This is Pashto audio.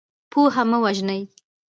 پوه مه وژنئ.